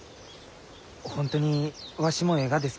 本当にわしもえいがですか？